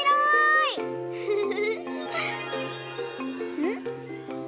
うん？